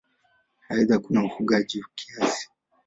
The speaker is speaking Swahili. Aidha kuna ufugaji kiasi.